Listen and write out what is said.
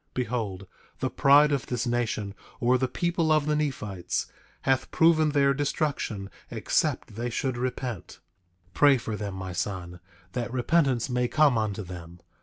Behold, the pride of this nation, or the people of the Nephites, hath proven their destruction except they should repent. 8:28 Pray for them, my son, that repentance may come unto them.